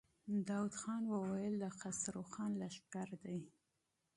داوود خان وويل: د خسرو خان لښکر دی.